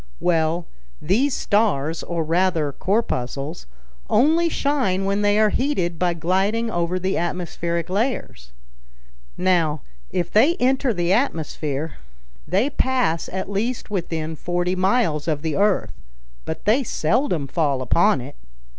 "Well, these stars, or rather corpuscles, only shine when they are heated by gliding over the atmospheric layers. Now, if they enter the atmosphere, they pass at least within forty miles of the earth, but they seldom fall upon it.